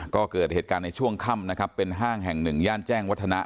ก็เกิดอาทิตย์การในช่วงค่ำนะครับเป็นห้างแห่ง๑แห่งแจ้งวัฒนะ